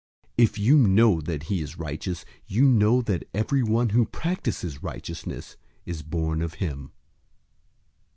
002:029 If you know that he is righteous, you know that everyone who practices righteousness is born of him.